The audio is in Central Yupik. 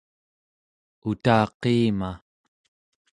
utaqiima